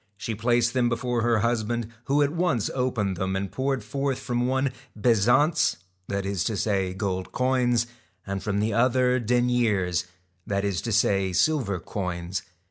She placed them before her husband, who at once opened them and poured forth from one bezants, that is to say gold coins, and from the other deniers, that is to say silver coins.